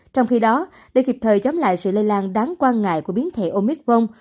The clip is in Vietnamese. trong khi đó để kịp thời chống lại sự lây lan đáng quan ngại của biến thể omicron